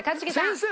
先生